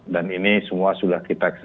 dan ini semua sudah kita eksesan